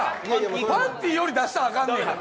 パンティより出したらあかんのや。